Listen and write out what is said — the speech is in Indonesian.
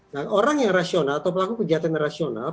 nah orang yang rasional atau pelaku kegiatan yang rasional